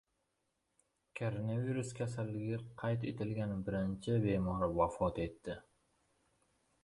Koronavirus kasalligi qayd etilgan birinchi bemor vafot etdi